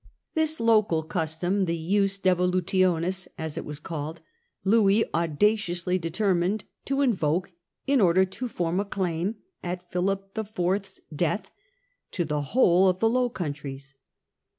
This local custom — the jus devolutions , as it was called— Louis audaciously deter mined to invoke in order to form a claim, at Philip IV.'s death, to the whole of the Low Countries.